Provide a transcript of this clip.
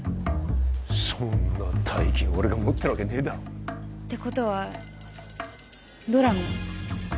そんな大金俺が持ってるわけねえだろてことはドラム？